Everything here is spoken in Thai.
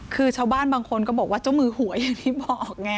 คือชาวบ้านบางคนก็บอกว่าเจ้ามือหวยอย่างที่บอกไง